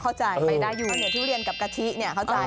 พอเข้าใจข้าวเหนียวทุเรียนกับกะทิถ้าเข้าใจ